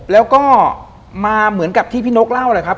แล้วก็มาเหมือนกับที่พี่นกเล่าแหละครับ